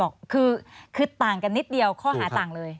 คือต่างกันนิดเดียวข้อหาต่างเลย